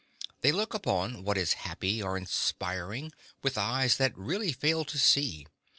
They look upon what is happy or inspiring with eyes that really fail to see.